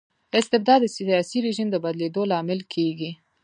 استبداد د سياسي رژيم د بدلیدو لامل کيږي.